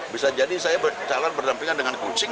bisa jadi saya calon berdampingan dengan kucing